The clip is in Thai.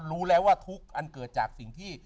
รู้แล้วว่าทุกข์อันเกิดจากสิ่งที่